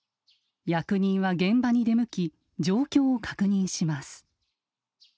役人は現場に出向き状況を確認します。